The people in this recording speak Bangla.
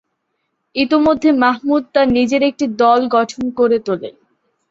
ইতোমধ্যে মাহমুদ তার নিজের একটি দল গঠন করে তুলে।